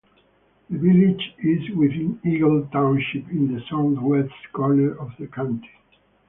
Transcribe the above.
The village is within Eagle Township in the southwest corner of the county.